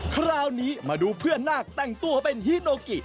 คราวนี้มาดูเพื่อนนาคแต่งตัวเป็นฮีโนกิ